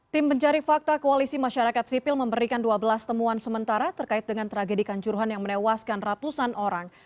tim pencari fakta koalisi masyarakat sipil memberikan dua belas temuan sementara terkait dengan tragedi kanjuruhan yang menewaskan ratusan orang